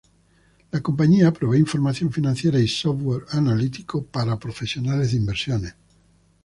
La compañía provee información financiera y software analítica para profesionales de inversiones.